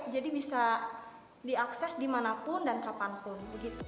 jadi bisa diakses dimanapun dan kapanpun